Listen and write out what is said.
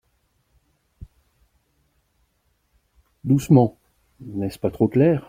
Doucement ! n’est-ce pas trop clair ?